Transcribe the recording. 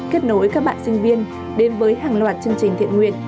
kết nối các bạn sinh viên đến với hàng loạt chương trình thiện nguyện